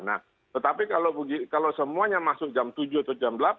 nah tetapi kalau semuanya masuk jam tujuh atau jam delapan